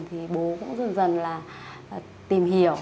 thì bố cũng dần dần là tìm hiểu